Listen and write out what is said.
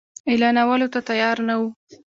اعلانولو ته تیار نه وو.